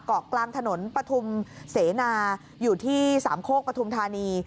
เกาะกลางถนนปฐุมเสนาอยู่ที่สามโคกปฐุมธานี